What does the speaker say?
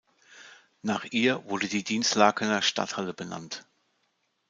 Nach ihr wurde die Dinslakener Stadthalle benannt.